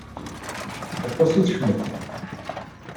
Aṭas i tecmet.